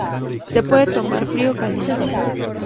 Se puede tomar frío o caliente.